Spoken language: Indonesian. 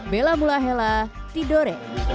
bela mula hela tidur